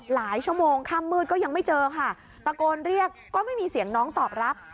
ชั่วโมงข้ามมืดก็ยังไม่เจอค่ะตะโกนเรียกก็ไม่มีเสียงน้องตอบรับ